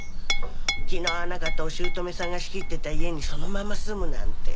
気の合わなかったお姑さんが仕切ってた家にそのまま住むなんて。